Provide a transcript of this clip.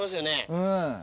うん。